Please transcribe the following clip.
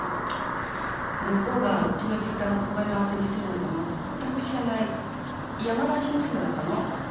向こうがうちの実家の小金を当てにしてるなんてまったく知らない山出し娘だったの。